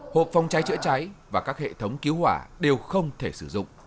hộp phòng cháy chữa cháy và các hệ thống cứu hỏa đều không thể sử dụng